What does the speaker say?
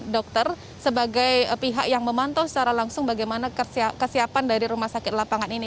dokter sebagai pihak yang memantau secara langsung bagaimana kesiapan dari rumah sakit lapangan ini